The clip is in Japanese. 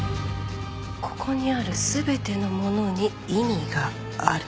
ここにある全てのものに意味がある。